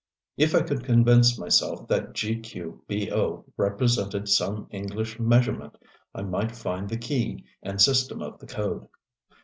If I could convince myself that "dqbo" represented some English measurement I might find the key and system of the code.